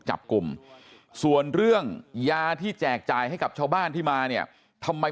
จับกลุ่มส่วนเรื่องยาที่แจกจ่ายให้กับชาวบ้านที่มาเนี่ยทำไม